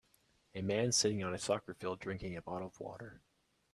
A man sitting on a soccer field drinking a bottle of water.